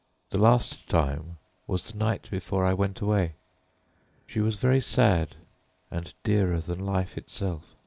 The last time was the night before I went away. She was very sad, and dearer than life itself.